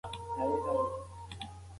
اصفهان خپلې وروستۍ سلګۍ ایستلې.